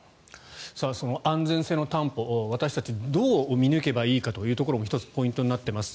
その安全性の担保私たちはどう見抜けばいいかということも１つポイントになっています。